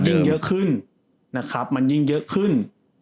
ยิ่งเยอะขึ้นนะครับมันยิ่งเยอะขึ้น